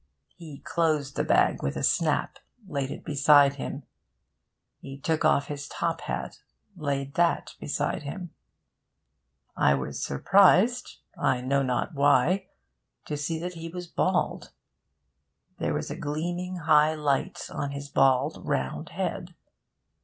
He closed the bag with a snap, laid it beside him. He took off his top hat, laid that beside him. I was surprised (I know not why) to see that he was bald. There was a gleaming high light on his bald, round head.